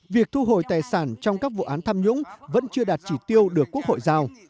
việc thu hồi tài sản trong các vụ án tham nhũng vẫn chưa đạt chỉ tiêu được quốc hội giao